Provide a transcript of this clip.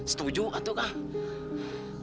setuju anto kang